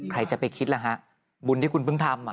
ใครจะไปคิดล่ะฮะบุญที่คุณเพิ่งทำ